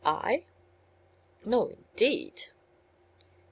"I? No, indeed!"